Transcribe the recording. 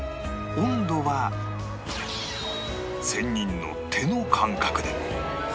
温度は仙人の手の感覚で